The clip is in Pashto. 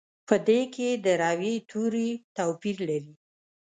په دې کې د روي توري توپیر لري.